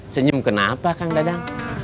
senyum kenapa kang dadang